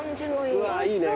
うわっいいね。